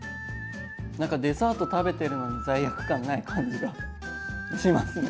何かデザート食べてるのに罪悪感ない感じがしますね。